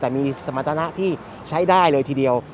แต่มีสมรรถนะที่ใช้ได้เลยทีเดียว